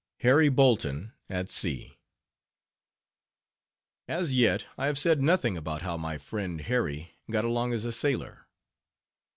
HARRY BOLTON AT SEA As yet I have said nothing about how my friend, Harry, got along as a sailor.